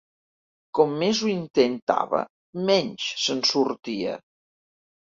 Com més ho intentava, menys se'n sortia.